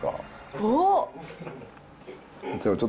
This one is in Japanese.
おっ！